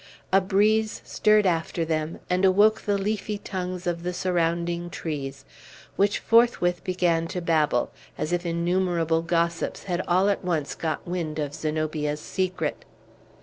A breeze stirred after them, and awoke the leafy tongues of the surrounding trees, which forthwith began to babble, as if innumerable gossips had all at once got wind of Zenobia's secret.